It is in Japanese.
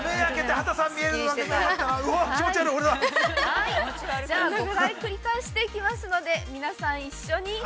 ◆はい、じゃあ、５回繰り返していきますので、皆さん一緒に。